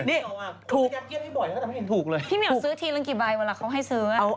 พี่เหมียวซื้อทีละกี่ใบเวลาเขาให้ซื้อ